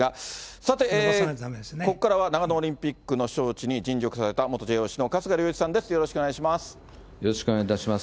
さて、ここからは長野オリンピックの招致に尽力された、元ＪＯＣの春日良一さんです、よろしくお願いいたします。